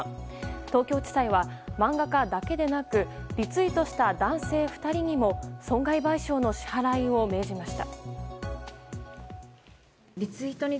東京地裁は漫画家だけでなくリツイートした男性２人にも損害賠償の支払いを命じました。